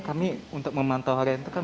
kami untuk memantau harian itu kan